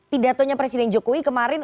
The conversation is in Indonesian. pidatonya presiden jokowi kemarin